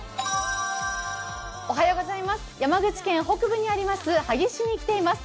山口県北部にあります萩市に来ています。